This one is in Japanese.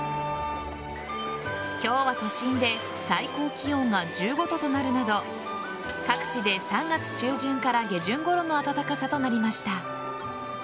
今日は都心で最高気温が１５度となるなど各地で３月中旬から下旬ごろの暖かさとなりました。